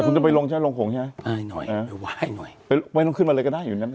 คุณกล้องของใช่หรอปล่อยน้อยไปไว้ขึ้นมาเลยก็ได้